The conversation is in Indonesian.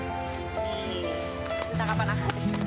mas cinta kapan ah